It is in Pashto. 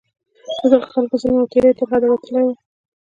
د دغو خلکو ظلم او تېری تر حده وتلی وو.